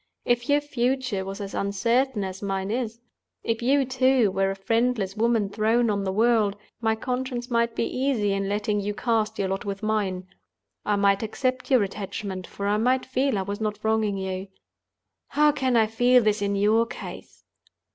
If your future was as uncertain as mine is—if you, too, were a friendless woman thrown on the world—my conscience might be easy in letting you cast your lot with mine. I might accept your attachment, for I might feel I was not wronging you. How can I feel this in your case?